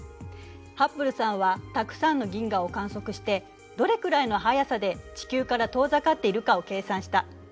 ハッブルさんはたくさんの銀河を観測してどれくらいの速さで地球から遠ざかっているかを計算した。